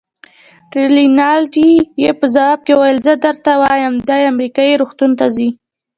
رینالډي یې په ځواب کې وویل: زه درته وایم، دی امریکایي روغتون ته ځي.